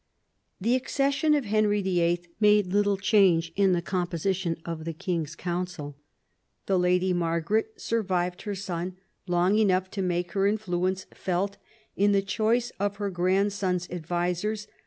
The accession of Henry VIII. made little change in the composition of the King's Council. The Lady Margaret survived her son long enough to make her in fluence felt in the choice of her grandson's advisers.